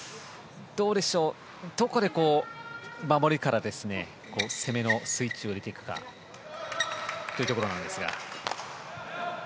どうでしょう、どこで守りから攻めのスイッチを入れていくかというところですが。